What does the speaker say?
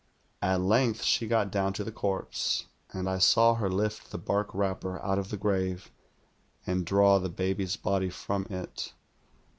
"At length she got down to the corpse, and I saw her lift the bark wrapper out of the grave, and draw the baby's body from it.